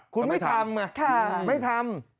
คุณไม่ทำไงไม่ทำ